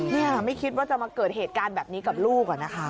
นี่ไม่คิดว่าจะมาเกิดเหตุการณ์แบบนี้กับลูกอะนะคะ